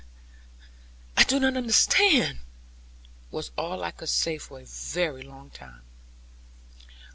'I do not understand,' was all I could say for a very long time.